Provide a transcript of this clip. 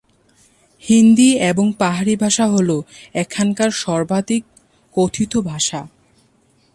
হিন্দি এবং পাহাড়ি ভাষা হল এখানকার সর্বাধিক কথিত ভাষা।